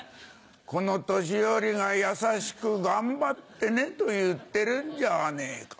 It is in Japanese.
この年寄りが優しく「頑張ってね」と言ってるんじゃねえか。